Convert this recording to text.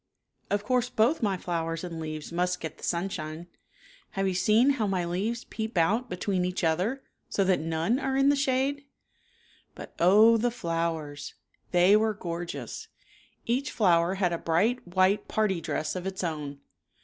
Of course, both my flowers and leaves must get the sunshine. Have you seen how my leaves peep out between each other, so that none are in the shade ?" But oh, the flowers ! They were gorgeous. Each flower had a bright white party dress of its own.